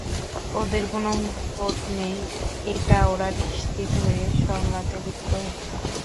ওদের কোনো ভোট নেই, এটা ওরা নিশ্চিত হয়ে সংঘাতে লিপ্ত হচ্ছে।